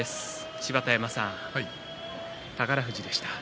芝田山さん、宝富士でした。